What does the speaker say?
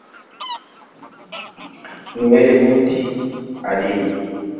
Ni elementi adimu.